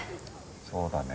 そうだね。